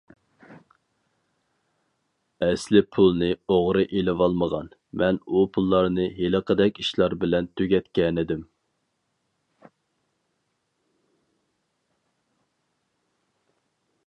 ئەسلى پۇلنى ئوغرى ئېلىۋالمىغان، مەن ئۇ پۇللارنى ھېلىقىدەك ئىشلار بىلەن تۈگەتكەنىدىم.